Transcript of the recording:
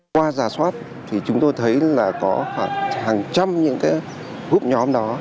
qua giả soát thì chúng tôi thấy là có khoảng hàng trăm những cái vụ nhóm đó